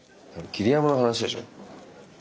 桐山の話でしょ？